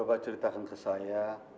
coba ceritakan ke saya